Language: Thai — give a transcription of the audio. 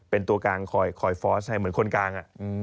เป็นตัวกลางคอยฟอสให้เหมือนคนกลาง